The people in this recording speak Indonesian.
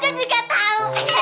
hai sebenernya tau